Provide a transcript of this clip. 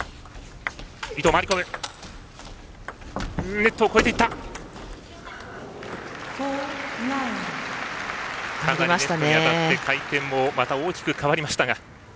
ネットに当たって回転もまた大きく変わりましたが。